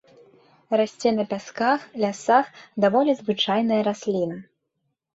Расце на пясках, лясах, даволі звычайная расліна.